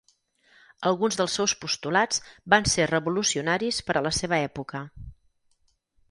Alguns dels seus postulats van ser revolucionaris per a la seva època.